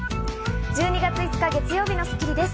１２月５日、月曜日の『スッキリ』です。